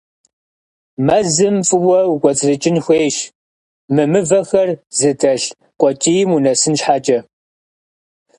Мэзым фӀыуэ укӀуэцӀрыкӀын хуейщ мы мывэхэр зыдэлъ къуэкӀийм унэсын щхьэкӀэ.